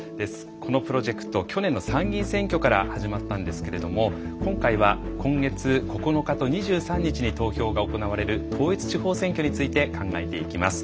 このプロジェクト去年の参議院選挙から始まったんですけれども今回は今月９日と２３日に投票が行われる統一地方選挙について考えていきます。